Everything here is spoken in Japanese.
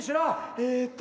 えっと